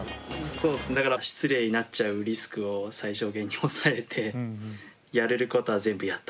そうすねだから失礼になっちゃうリスクを最小限に抑えてやれることは全部やっとくみたいな。